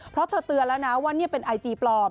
เพราะเธอเตือนแล้วนะว่านี่เป็นไอจีปลอม